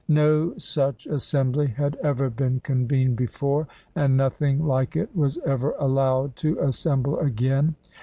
No such assembly had ever been convened before, and nothing like it was ever allowed to assemble again.